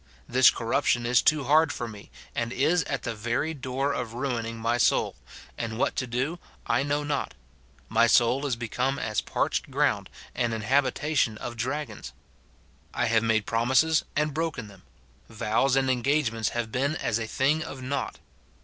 This corruption is too liard for me, and is at the very door of ruining my soul ; and what to do I know not. My soul is become as parched ground, and an habitation of dragons. I have made promises and broken them ; vows and engagements have been as a thing of nought.